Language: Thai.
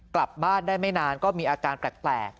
กลับบ้านได้ไม่นานก็มีอาการแปลก